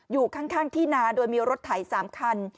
อยู่ข้างที่นาโดยมีรถไถ๓คัน